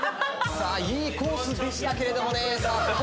いいコースでしたけれどもね